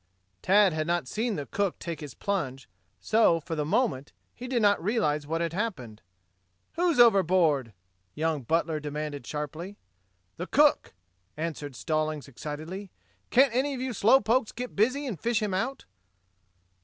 Tad had not seen the cook take his plunge, so, for the moment, he did not realize what had occurred. "Who's overboard," young Butler demanded sharply. "The cook," answered Stallings excitedly. "Can't any of you slow pokes get busy and fish him out?"